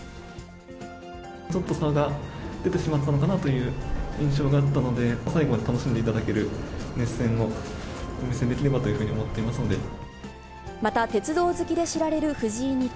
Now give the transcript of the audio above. ちょっと差が出てしまったのかなという印象があったので、最後まで楽しんでいただける熱戦をお見せできればというふうに思また鉄道好きで知られる藤井二冠。